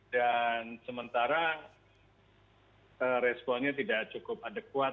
dan sementara responnya tidak cukup adekuat